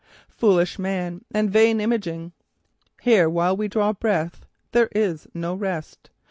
Foolish man and vain imagining! Here, while we draw breath, there is no rest.